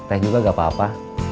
teh juga gak apa apa